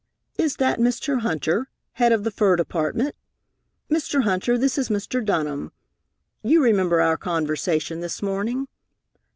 "Is that Mr. Hunter, head of the fur department? Mr. Hunter, this is Mr. Dunham. You remember our conversation this morning?